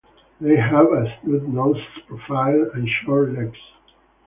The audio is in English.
They have a snub-nosed profile and short legs.